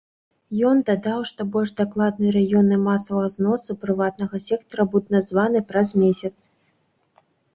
Ён дадаў, што больш дакладна раёны масавага зносу прыватнага сектара будуць названыя праз месяц.